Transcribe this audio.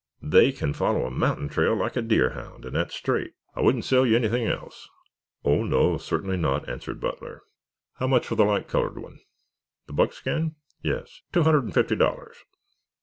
They can follow a mountain trail like a deerhound, and that's straight. I wouldn't sell you anything else." "Oh, no, certainly not," answered Butler. "How much for the light colored one?" "The buckskin?" "Yes." "Two hundred and fifty dollars."